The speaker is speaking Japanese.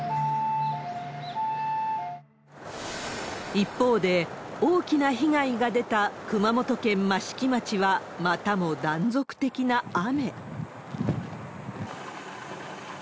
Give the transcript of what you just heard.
一方で、大きな被害が出た熊本県益城町は、またも断続的な雨。